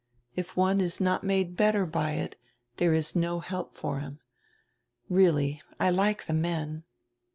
If one is not made better by it there is no help for him — Really, I like die men."